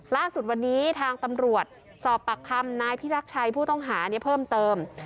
ล่าสุดวันนี้ทางตำรวจสอบปากคำนายพิรักษ์ชัยผู้ต้องหาเพิ่มเติม